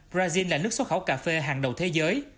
brazil là nước xuất khẩu cà phê hàng đầu thế giới